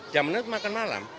jam enam makan malam